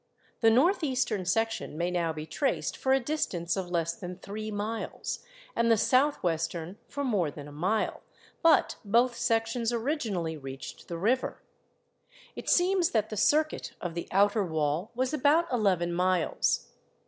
The north eastern section may now be traced for a distance of less than three miles, and the south western "for more than a mile, but both sections originally reached the river. It seems that the circuit of the outer wall was about eleven miles.